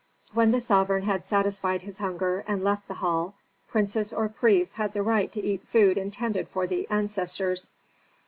When the sovereign had satisfied his hunger and left the hall princes or priests had the right to eat food intended for the ancestors.